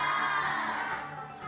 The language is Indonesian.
trapezio itu namanya bangun